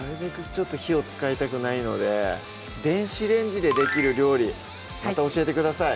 ちょっと火を使いたくないので電子レンジでできる料理また教えてください